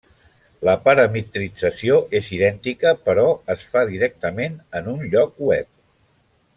La parametrització és idèntica, però es fa directament en un lloc web.